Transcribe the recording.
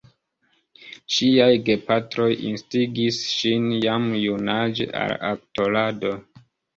Ŝiaj gepatroj instigis ŝin jam junaĝe al aktorado.